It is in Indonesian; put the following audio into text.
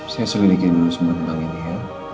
saya sendiri kinerin semua gitu ya